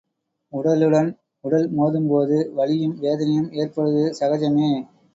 உடலுடன் உடல் மோதும்போது வலியும் வேதனையும் ஏற்படுவது சகஜமே.